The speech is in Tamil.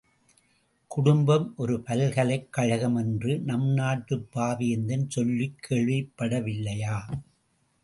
குடும்பம் ஒரு பல்கலைக் கழகம் என்ற நம் நாட்டுப் பாவேந்தன் சொல்லிக் கேள்விப்படவில்லையா?